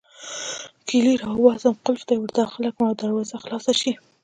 کیلۍ راوباسم، قلف ته يې ورداخله کړم او دروازه خلاصه شي.